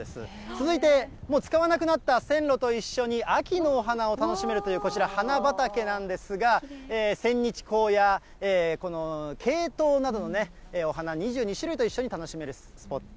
続いて、もう使わなくなった線路と一緒に、秋のお花を楽しめるという、こちら、花畑なんですが、センニチコウや、このケイトウなどのね、お花２２種類と一緒に楽しめるスポット。